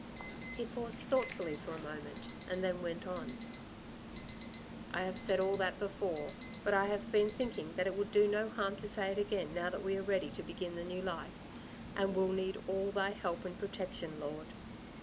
He paused thoughtfully for a moment; and then went on: "I have said all that before; but I have been thinking that it would do no harm to say it again now that we are ready to begin the new life, and will need all Thy help and protection, Lord.